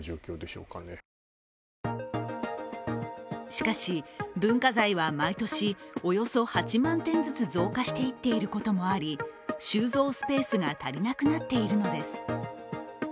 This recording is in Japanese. しかし、文化財は毎年、およそ８万点ずつ増加していってることもあり収蔵スペースが足りなくなっているのです。